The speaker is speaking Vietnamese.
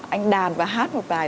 anh đàn và hát một bài